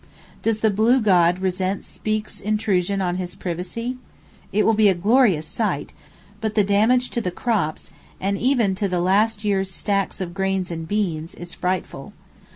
Does the blue God resent Speke's intrusion on his privacy? It will be a glorious sight, but the damage to crops, and even to the last year's stacks of grain and beans, is frightful.